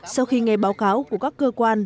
sau khi nghe báo cáo của các cơ quan